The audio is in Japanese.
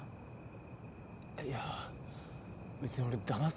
いや別に俺だますつもり。